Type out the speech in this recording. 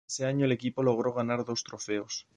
Ese año el equipo logró ganar dos trofeos.